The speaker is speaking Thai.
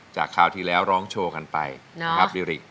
จากคราวที่แล้วร้องโชว์กันไปครับดีริก